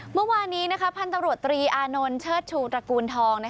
เมื่อวานนี้พันธุ์ตำรวจตรีอานนท์เชิดชูตระกูลทอง